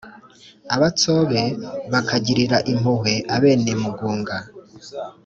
abatsobe bakagirira impuhwe abenemugunga